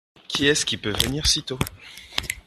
Qui est-ce qui peut venir si tôt ?…